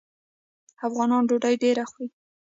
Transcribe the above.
افغانان ډوډۍ ډیره خوري.